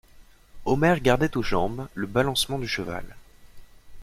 Omer gardait aux jambes le balancement du cheval.